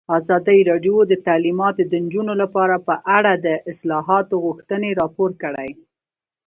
ازادي راډیو د تعلیمات د نجونو لپاره په اړه د اصلاحاتو غوښتنې راپور کړې.